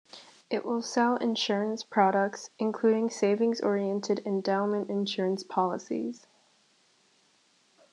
It will sell insurance products, including savings-oriented endowment insurance policies.